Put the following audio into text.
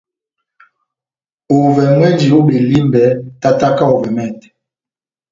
Ovɛ mwɛ́nji ó Belimbè, tátáka ovɛ mɛtɛ,